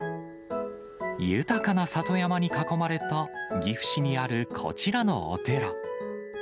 豊かな里山に囲まれた、岐阜市にある、こちらのお寺。